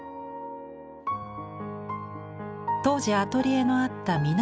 当時アトリエのあった南